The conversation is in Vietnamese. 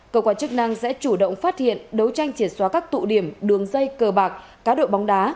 cầu quản chức năng sẽ chủ động phát hiện đấu tranh triệt xóa các tụ điểm đường dây cờ bạc cá đội bóng đá